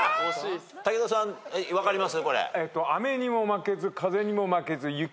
武田さん分かります？